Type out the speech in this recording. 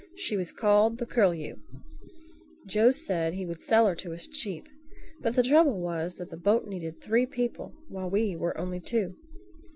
She was called The Curlew. Joe said he would sell her to us cheap. But the trouble was that the boat needed three people, while we were only two.